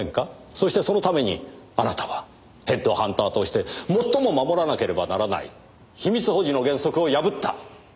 そしてそのためにあなたはヘッドハンターとして最も守らなければならない秘密保持の原則を破った。